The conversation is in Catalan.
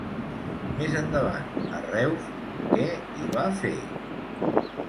Més endavant, a Reus, què hi va fer?